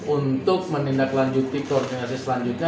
untuk menindaklanjuti koordinasi selanjutnya